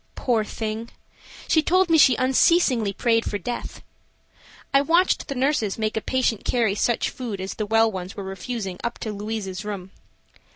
Poor thing! she told me she unceasingly prayed for death. I watched the nurses make a patient carry such food as the well ones were refusing up to Louise's room.